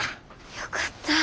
よかった。